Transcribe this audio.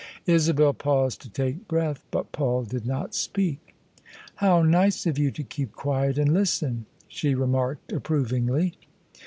Isabel paused to take breath, but Paul did not speaL " How nice of you to keep quiet and listen 1 " she re marked approvingly.